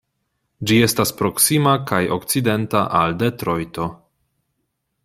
Ĝi estas proksima kaj okcidenta al Detrojto.